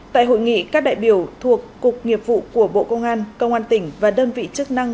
tại hội nghị các đại biểu thuộc cục nghiệp vụ của bộ công an công an tỉnh và đơn vị chức năng